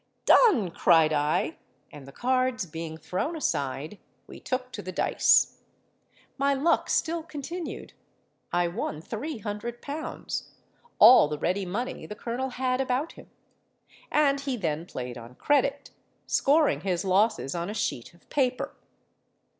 '—'Done!' cried I; and the cards being thrown aside, we took to the dice. My luck still continued: I won three hundred pounds—all the ready money the colonel had about him; and he then played on credit, scoring his losses on a sheet of paper.